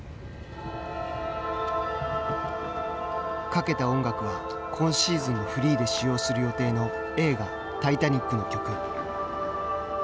かけた音楽は今シーズンのフリーで使用する予定の映画「タイタニック」の曲。